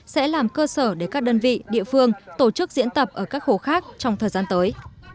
sẽ làm cơ sở để các đơn vị địa phương tổ chức diễn tập ở các hồ khác trong thời gian tới